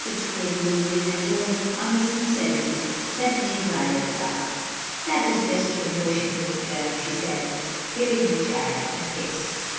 exclaimed Lulu in a tone of honest sincerity that made Violet laugh. "That is just your notion, little girl," she said, giving the child a kiss.